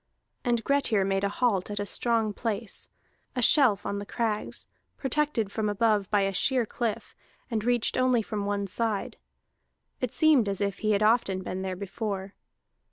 And Grettir made a halt at a strong place, a shelf on the crags, protected from above by a sheer cliff, and reached only from one side. It seemed as if he had often been there before.